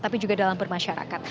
tapi juga dalam bermasyarakat